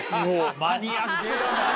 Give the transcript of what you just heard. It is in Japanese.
マニアックだね。